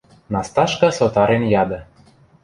– Насташка сотарен яды.